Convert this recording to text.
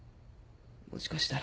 もしかしたら。